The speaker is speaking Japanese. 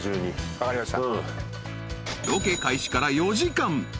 分かりました。